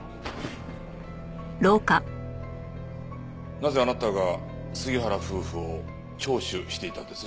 なぜあなたが杉原夫婦を聴取していたんです？